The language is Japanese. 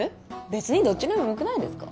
別にどっちでもよくないですか？